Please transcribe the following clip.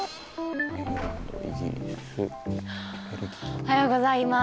おはようございます。